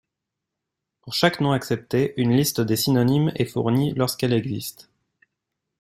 Pour chaque nom accepté, une liste des synonymes est fournie lorsqu'elle existe.